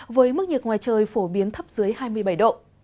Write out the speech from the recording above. với mức nhiệt ngoài trời phổ biến thấp dưới hai mươi bảy độ